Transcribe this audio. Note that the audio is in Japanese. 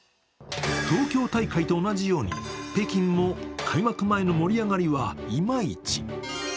東京大会と同じように北京も開幕前の盛り上がりはイマイチ。